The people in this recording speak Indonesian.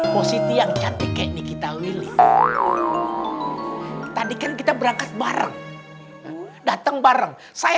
positif yang cantik kayak nikita lilin tadi kan kita berangkat bareng datang bareng saya